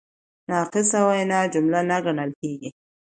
ناقصه وینا جمله نه ګڼل کیږي.